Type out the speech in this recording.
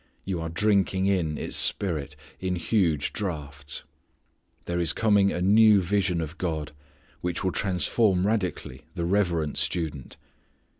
You are drinking in its spirit in huge draughts. There is coming a new vision of God, which will transform radically the reverent student.